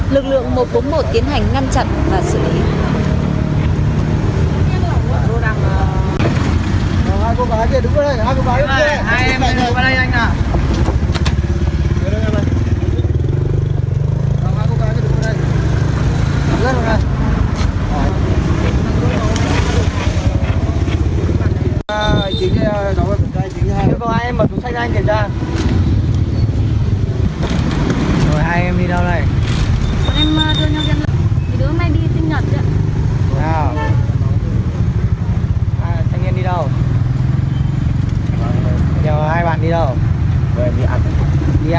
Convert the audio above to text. lực lượng một trăm bốn mươi một tiến hành ngăn chặn và xử lý